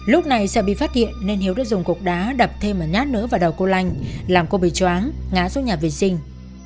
lúc này sợ bị phát hiện nên hiếu đã dùng cục đá đập thêm một nhát nữa vào đầu cô lanh làm cô bị chóng ngã xuống nhà vệ sinh